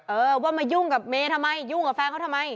เออว่ามายุ่งกับเมย์ทำไมยุ่งกับแฟนเขาทำไม